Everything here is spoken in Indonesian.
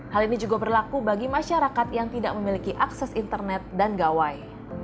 hal ini juga berlaku bagi masyarakat yang tidak memiliki akses internet dan gawai